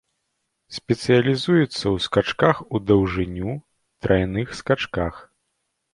Спецыялізуецца ў скачках у даўжыню, трайных скачках.